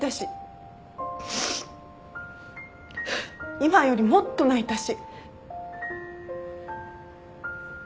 今よりもっと泣いたし。